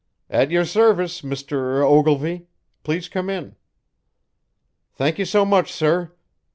"At your service, Mr. Ogilvy. Please come in." "Thank you so much, sir."